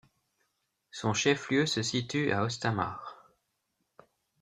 Son chef-lieu se situe à Östhammar.